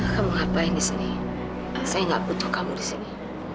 kamu ngapain disini saya gak butuh kamu disini